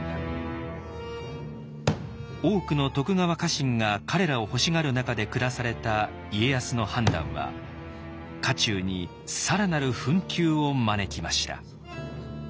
多くの徳川家臣が彼らを欲しがる中で下された家康の判断は家中に更なる紛糾を招きました。